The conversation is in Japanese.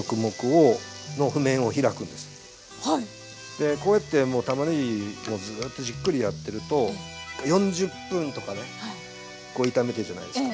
でこうやってたまねぎをずっとじっくりやってると４０分とか炒めてるじゃないですか。